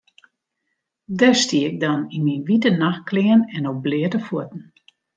Dêr stie ik dan yn myn wite nachtklean en op bleate fuotten.